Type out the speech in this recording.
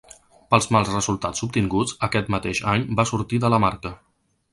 Pels mals resultats obtinguts, aquest mateix any va sortir de la marca.